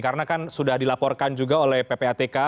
karena kan sudah dilaporkan juga oleh ppatk